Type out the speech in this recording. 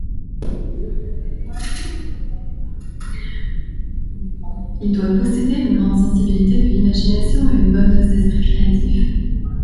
Il doit posséder une grande sensibilité, de l'imagination et une bonne dose d’esprit créatif.